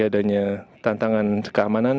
adanya tantangan keamanan